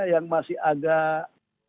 yang masih agak